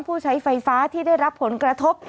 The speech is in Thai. ผู้ใช้ไฟฟ้าที่ได้รับผลกระทบ